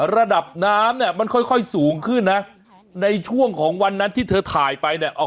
ระดับน้ำเนี่ยมันค่อยสูงขึ้นนะในช่วงของวันนั้นที่เธอถ่ายไปเนี่ย